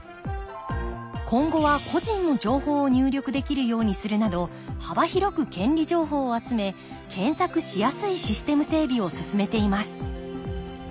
今後は個人の情報を入力できるようにするなど幅広く権利情報を集め検索しやすいシステム整備を進めています